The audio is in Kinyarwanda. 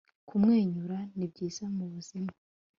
kumwenyura ni byiza mu buzima